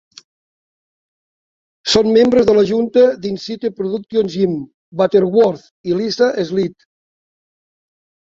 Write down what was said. Són membres de la junta d'Incite Productions Jim Butterworth i Lisa Sleeth.